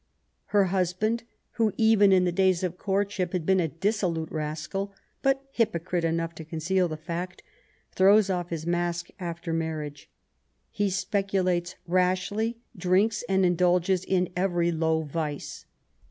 Her husband, who even in the days of court ship had been a dissolute rascal, but hypocrite enough to conceal the fact, throws off his mask after marriage. He speculates rashly, drinks, and indulges in every low vice.